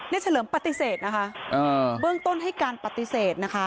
เฉลิมปฏิเสธนะคะเบื้องต้นให้การปฏิเสธนะคะ